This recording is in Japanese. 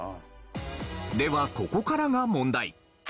ではここからが問題。